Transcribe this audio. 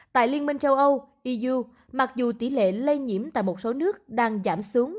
tại liên minh châu âu iuu mặc dù tỷ lệ lây nhiễm tại một số nước đang giảm xuống